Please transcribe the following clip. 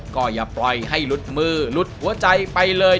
ก็อย่าปล่อยให้หลุดมือหลุดหัวใจไปเลย